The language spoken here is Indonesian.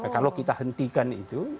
kalau kita hentikan itu